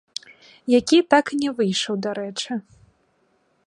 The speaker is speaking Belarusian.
Які так і не выйшаў, дарэчы.